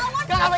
kalah kalah kalah